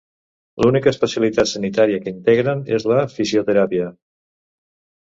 L'única especialitat sanitària que integren és la fisioteràpia.